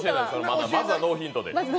まずはノーヒントで。